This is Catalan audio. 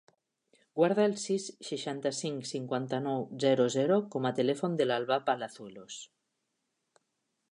Guarda el sis, seixanta-cinc, cinquanta-nou, zero, zero com a telèfon de l'Albà Palazuelos.